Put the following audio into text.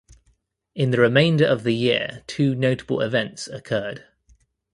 In the remainder of the year two notable events occurred.